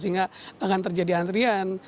sehingga akan terjadi antrian